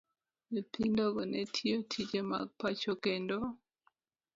Nyithindogo ne tiyo tije mag pacho, kendo